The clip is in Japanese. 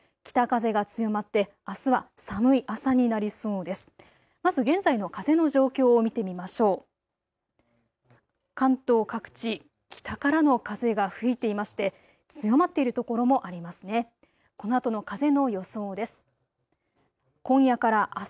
北風が強まってあすは寒い朝になりそうです。